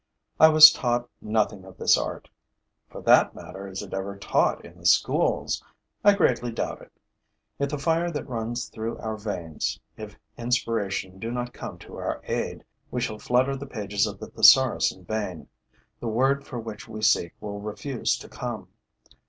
I was taught nothing of this art. For that matter, is it ever taught in the schools? I greatly doubt it. If the fire that runs through our veins, if inspiration do not come to our aid, we shall flutter the pages of the thesaurus in vain: the word for which we seek will refuse to come.